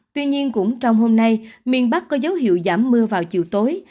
tuy nhiên cũng trong hôm nay miền bắc có dấu hiệu giảm mưa vào chiều tối